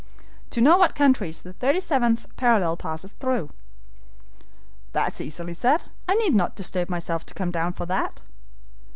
"To know what countries the thirty seventh parallel passes through." "That's easily said. I need not disturb myself to come down for that."